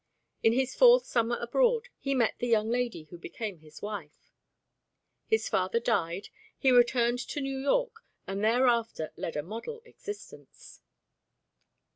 In his fourth summer abroad, he met the young lady who became his wife. His father died, he returned to New York, and thereafter led a model existence.